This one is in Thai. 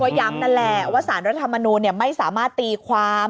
ย้ำนั่นแหละว่าสารรัฐธรรมนูลไม่สามารถตีความ